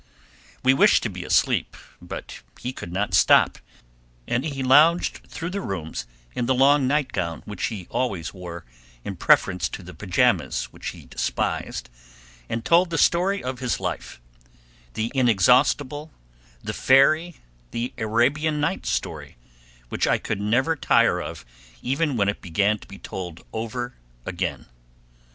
We wished to be asleep, but we could not stop, and he lounged through the rooms in the long nightgown which he always wore in preference to the pajamas which he despised, and told the story of his life, the inexhaustible, the fairy, the Arabian Nights story, which I could never tire of even when it began to be told over again.